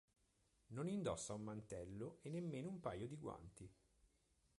Non indossa un mantello e nemmeno un paio di guanti.